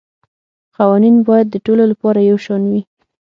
قوانین باید د ټولو لپاره یو شان وي